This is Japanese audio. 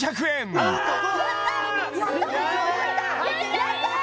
やった！